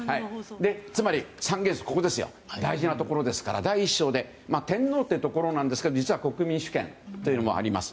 つまり三原則大事なところですから第１章で天皇というところなんですが実は国民主権というのもあります。